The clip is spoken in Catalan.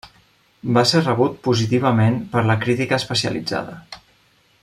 Va ser rebut positivament per la crítica especialitzada.